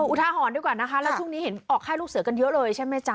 อุทาหรณ์ดีกว่านะคะแล้วช่วงนี้เห็นออกค่ายลูกเสือกันเยอะเลยใช่ไหมจ๊